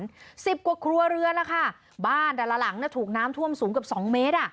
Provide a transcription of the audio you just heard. ๑๐กว่าครัวเรือนะคะบ้านดังละหลังถูกน้ำท่วมสูงกับ๒เมตร